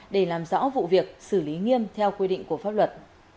để làm rõ vụ việc xử lý nghiêm theo quy định của pháp luật